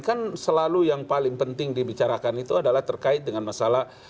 kan selalu yang paling penting dibicarakan itu adalah terkait dengan masalah